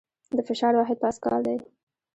د فشار واحد پاسکل دی.